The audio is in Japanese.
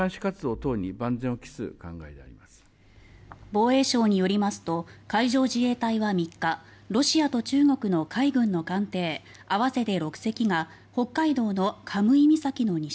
防衛省によりますと海上自衛隊は３日ロシアと中国の海軍の艦艇合わせて６隻が北海道の神威岬の西